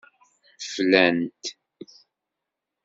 Flan-t.